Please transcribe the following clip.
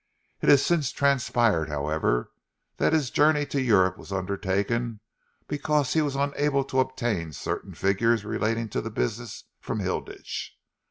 It has since transpired, however, that his journey to Europe was undertaken because he was unable to obtain certain figures relating to the business, from Hilditch.